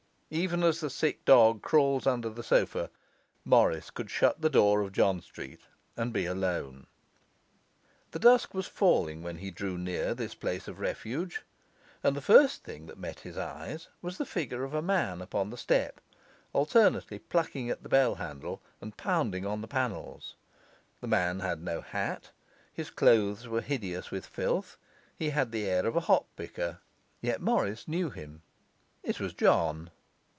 Even as the sick dog crawls under the sofa, Morris could shut the door of John Street and be alone. The dusk was falling when he drew near this place of refuge; and the first thing that met his eyes was the figure of a man upon the step, alternately plucking at the bell handle and pounding on the panels. The man had no hat, his clothes were hideous with filth, he had the air of a hop picker. Yet Morris knew him; it was John.